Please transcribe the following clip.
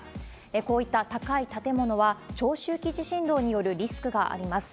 こういった高い建物は、長周期地震動によるリスクがあります。